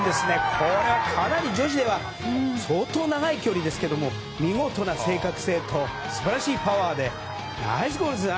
これは、かなり女子では相当長い距離ですけども見事な正確性と素晴らしいパワーでナイスゴールですね。